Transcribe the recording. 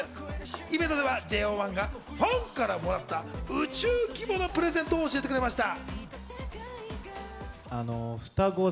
イベントではＪＯ１がファンからもらった宇宙規模のプレゼントを教えてくれました。